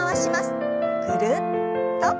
ぐるっと。